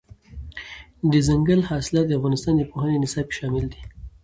دځنګل حاصلات د افغانستان د پوهنې نصاب کې شامل دي.